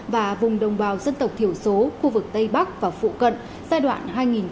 và vùng đồng bào dân tộc thiểu số khu vực tây bắc và phụ cận giai đoạn hai nghìn một mươi tám hai nghìn hai mươi ba